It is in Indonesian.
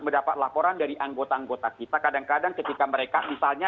kemudian pengasuhan saya di sini saya punya scalp dankar awasi dan mereka datang dari harga sp